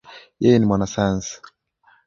Yeye ni Mwanasayansi.